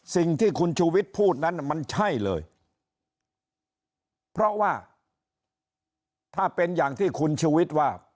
สิ่งที่คุณชูวิทย์พูดนั้นมันใช่เลยเพราะว่าถ้าเป็นอย่างที่คุณชูวิทย์ว่า